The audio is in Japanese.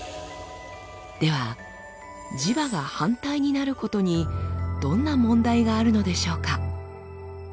では磁場が反対になることにどんな問題があるのでしょうか？